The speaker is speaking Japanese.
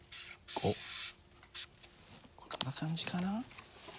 こんな感じかな。